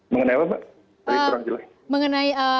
mengenai apa pak